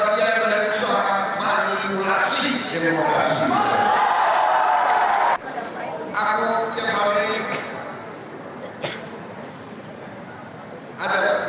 obat media media yang besar media media yang merata dan dunia objektif